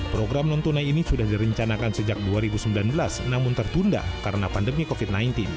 program non tunai ini sudah direncanakan sejak dua ribu sembilan belas namun tertunda karena pandemi covid sembilan belas